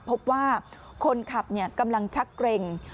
พบว่าคนขับกำลังชักเกร็ง